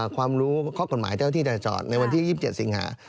ความรู้ข้อกฎหมายเจ้าที่จราจรในวันที่๒๗สิงหา